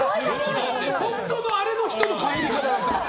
本当のあれの人の帰り方だったもん。